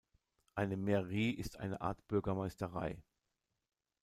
Eine Mairie ist eine Art "Bürgermeisterei".